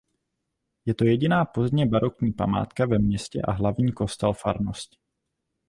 Je to jediná pozdně barokní památka ve městě a hlavní kostel farnosti.